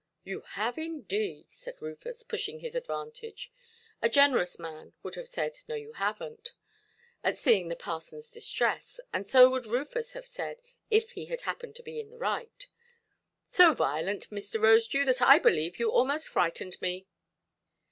"You have indeed", said Rufus, pushing his advantage: a generous man would have said, "No, you havenʼt", at seeing the parsonʼs distress, and so would Rufus have said, if he had happened to be in the right; "so violent, Mr. Rosedew, that I believe you almost frightened me".